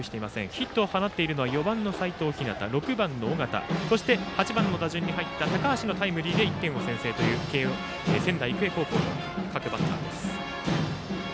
ヒットを放っているのは４番の齋藤陽６番の尾形、８番の高橋のタイムリーで１点先制という仙台育英高校の各バッターです。